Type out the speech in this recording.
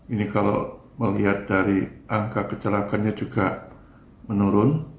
ini kalau melihat dari angka kecelakaannya juga menurun